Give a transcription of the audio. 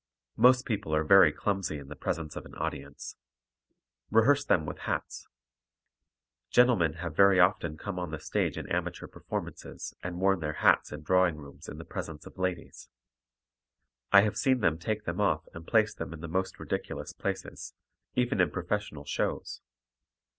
Most people are very clumsy in the presence of an audience. Rehearse them with hats. Gentlemen have very often come on the stage in amateur performances and worn their hats in drawing rooms in the presence of ladies. I have seen them take them off and place them in the most ridiculous places, even in professional shows.